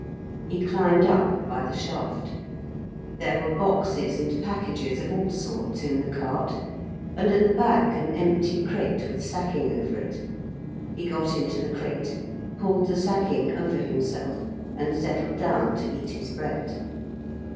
He climbed up by the shaft. There were boxes and packages of all sorts in the cart, and at the back an empty crate with sacking over it. He got into the crate, pulled the sacking over himself, and settled down to eat his bread.